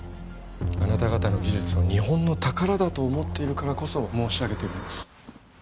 あなた方の技術を日本の宝だと思っているからこそ申し上げてるんです